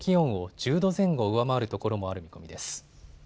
１０度前後上回る所もある見込みです。